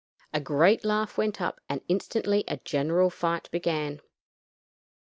A great laugh went up, and instantly a general fight began.